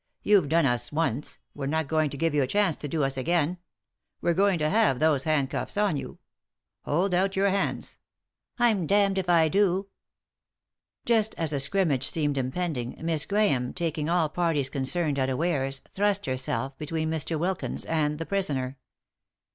You've done us once ; we're not going to give you a chance to do us again— we're going to have those handcuffs on you. Hold out your hands." 3i7 3i 9 iii^d by Google THE INTERRUPTED KISS "I'm damned if I do!" Just as a scrimmage seemed impending Miss Grahame, taking all parties concerned unawares, thrust herself between Mr. Wilkins and the prisoner.